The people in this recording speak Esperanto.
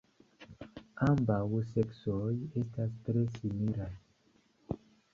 Ambaŭ seksoj estas tre similaj.